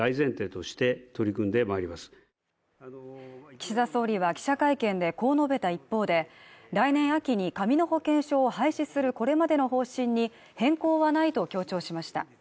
岸田総理は記者会見でこう述べた一方で、来年秋に紙の保険証を廃止するこれまでの方針に変更はないと強調しました。